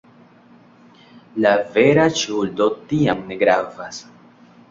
La vera ŝuldo tiam ne gravas.